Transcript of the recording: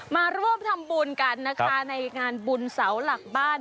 มาร่วมทำบุญกันนะคะในงานบุญเสาหลักบ้าน